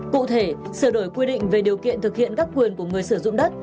cụ thể sửa đổi quy định về điều kiện thực hiện các quyền của người sử dụng đất